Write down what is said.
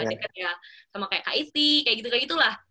dekat ya sama kayak kit kayak gitu gitu lah